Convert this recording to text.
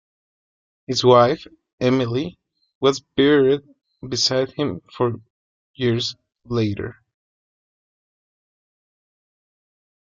His wife, Emilie, was buried beside him four years later.